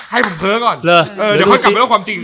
ให้ผมเพ้อก่อนเดี๋ยวเขากลับมาดูความจริง